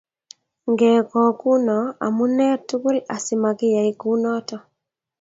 Ngekokuno amune tugul asimakiyai kunoto